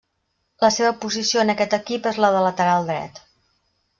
La seva posició en aquest equip és la de lateral dret.